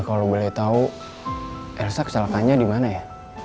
kalau boleh tahu elsa kecelakaannya di mana ya